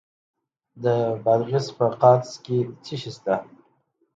د بادغیس په قادس کې څه شی شته؟